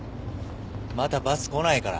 まだバス来ないから。